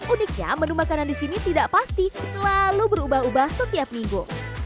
uniknya menu makanan di sini tidak pasti selalu berubah ubah setiap minggu